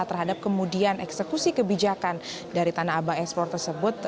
terhadap kemudian eksekusi kebijakan dari tanah abang export tersebut